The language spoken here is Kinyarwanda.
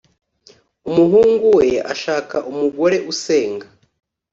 Umuhungu we ashaka umugore usenga